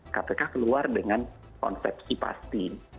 kpk keluar dengan konsep si pasti